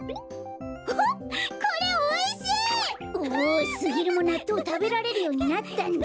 おおすぎるもなっとうたべられるようになったんだ。